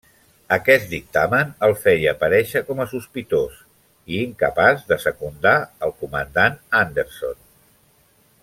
Aquest dictamen el feia aparèixer com a sospitós i incapaç de secundar el comandant Anderson.